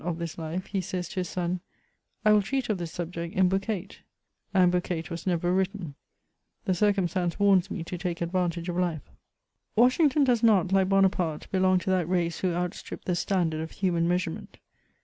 of this life, he says to his son :" I will treat of this subject in Book VIII. ;*' and Book VIII. was never written ; the circumstance warns me to take advantage of life. Washington does not, like Bonaparte, belong to that race who outstrip the standard of human measurement.